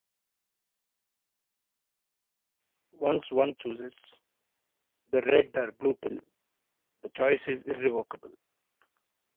Once one chooses the red or blue pill, the choice is irrevocable.